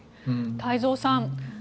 太蔵さん